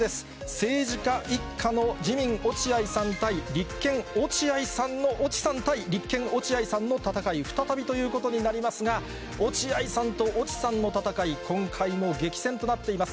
政治家一家の自民、落合さん対立憲、落合さんの越智さんの戦い、再びということになりますが、落合さんと越智さんの戦い、今回も激戦となっています。